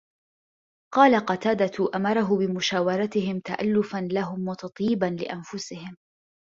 قَالَ قَتَادَةُ أَمَرَهُ بِمُشَاوَرَتِهِمْ تَأَلُّفًا لَهُمْ وَتَطْيِيبًا لِأَنْفُسِهِمْ